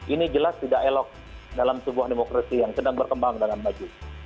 ini jelas tidak elok dalam sebuah demokrasi yang sedang berkembang dengan maju